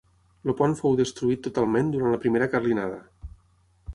El pont fou destruït totalment durant la primera carlinada.